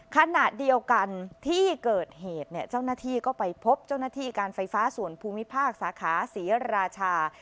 ขณะเดียวกันที่เกิดเหตุเนี่ยเจ้าหน้าที่ก็ไปพบเจ้าหน้าที่การไฟฟ้าส่วนภูมิภาคสาขาศรีราชา